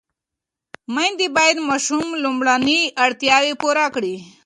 مېندې باید د ماشوم لومړني اړتیاوې پوره کړي.